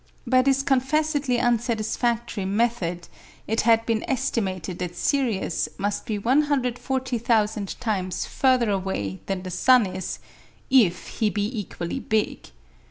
By this confessedly unsatisfactory method it had been estimated that Sirius must be 140,000 times further away than the sun is, if he be equally big.